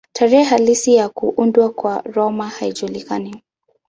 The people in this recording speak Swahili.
Tarehe halisi ya kuundwa kwa Roma haijulikani.